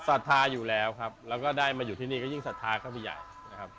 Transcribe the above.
ศรัทธาอยู่แล้วครับแล้วก็ได้มาอยู่ที่นี่ก็ยิ่งศรัทธาเข้าไปใหญ่นะครับ